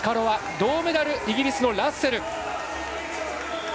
銅メダル、イギリスのラッセル。